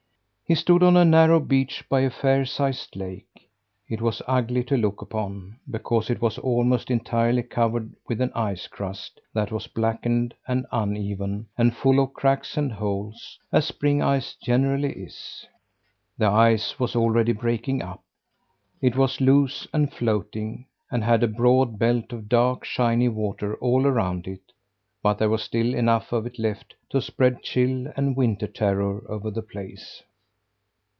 He stood on a narrow beach by a fair sized lake. It was ugly to look upon, because it was almost entirely covered with an ice crust that was blackened and uneven and full of cracks and holes as spring ice generally is. The ice was already breaking up. It was loose and floating and had a broad belt of dark, shiny water all around it; but there was still enough of it left to spread chill and winter terror over the place.